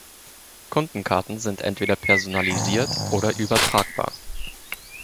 Kundenkarten sind entweder personalisiert oder übertragbar.